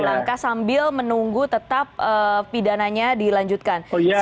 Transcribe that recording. langkah sambil menunggu tetap pidananya dilanjutkan